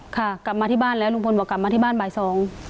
ค่ะกลับมาที่บ้านแล้วลุงพลบอกกลับมาที่บ้านบ่ายสอง